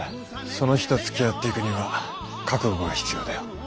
その火とつきあっていくには覚悟が必要だよ。